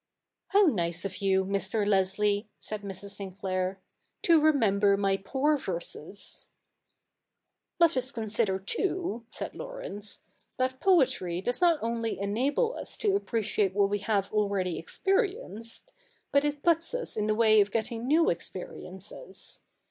' 'How nice of you, ]\Ir. Leslie,' said ]Mrs. Sinclair, 'to remember my poor verses I '' Let us consider, too,' said Laurence, ' that poetry does not only enable us to appreciate what we have already experienced, but it puts us in the way of getting new experiences.